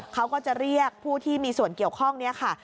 เขาก็จะเรียกผู้ที่มีส่วนเกี่ยวข้องนี้ค่ะ